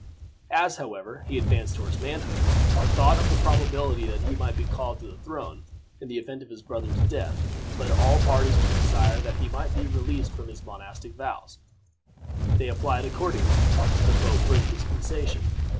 As, however, he advanced toward manhood, the thought of the probability that he might be called to the throne in the event of his brother's death led all parties to desire that he might be released from his monastic vows. They applied, accordingly, to the pope for a dispensation.